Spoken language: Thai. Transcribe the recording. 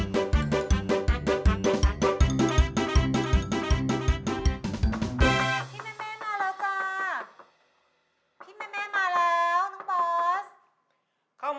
เข้ามาได้เลยค่ะประตูไม่ได้หรอก